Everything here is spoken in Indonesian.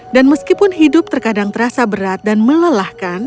dan meskipun hidup terkadang terasa berat dan melelahkan